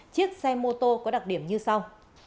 chiếc xe mô tô có đặc điểm như sau